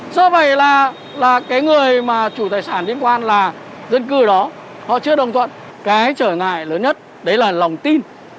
do vậy là cái người mà chủ tài sản liên quan là dân cư đó họ chưa đồng thuận cái trở ngại lớn nhất đấy là lòng tin